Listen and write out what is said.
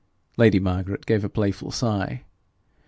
Lady Margaret gave a playful sigh.